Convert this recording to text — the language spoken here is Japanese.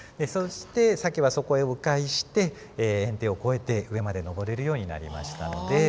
そしてサケはそこへ迂回して堰堤を越えて上まで上れるようになりましたので。